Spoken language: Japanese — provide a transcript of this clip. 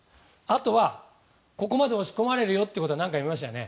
あとは、ここまで押し込まれるよということは何回もありました。